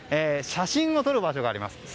写真を撮る場所があります。